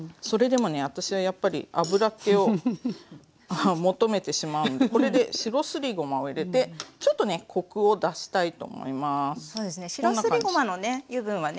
それでも私はやっぱり油っ気を求めてしまうのでこれで白すりごまを入れてちょっとねコクを出したいと思います。